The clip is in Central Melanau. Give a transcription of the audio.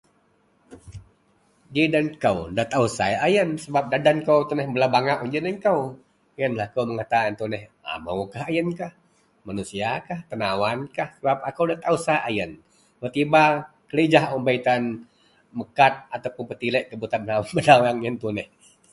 Ji den kou nda taao sai ayen sebap den kou tuneh belabangau un ji den kou, yen lah akou mengata ayen tuneh, amoukah ayenlah, manusiakah, tenawankah sebap akou nda taao sai ayen, tetiba kelijah un bei tan mekat atau pun petilek gak buta benaweang yen tuneh